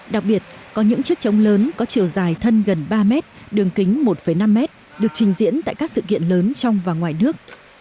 đặc biệt có những chiếc trống lớn có chiều dài thân gần ba mét đường kính một năm mét được trình diễn tại các sự kiện lớn trong và ngoài nước